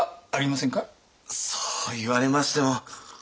そう言われましても。